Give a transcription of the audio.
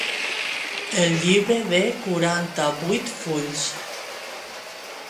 El llibre de quaranta-vuit fulls.